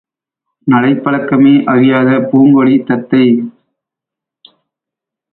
நடைப் பழக்கமே அறியாத பூங்கொடி தத்தை.